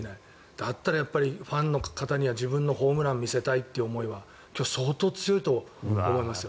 だったらファンの方には自分のホームランを見せたいという思いは今日、相当強いと思いますよ。